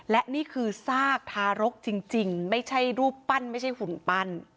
และนี่คือซากทารกจริงไม่ใช่รูปปั้นไม่ใช่หุ่นปั้น